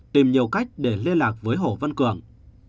tìm nhiều cách để liên lạc với hồ văn cường